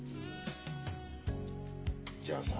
じゃあさ。